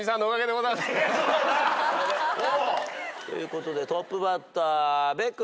でも。ということでトップバッター阿部君。